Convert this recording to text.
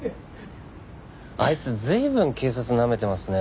あいつ随分警察なめてますね。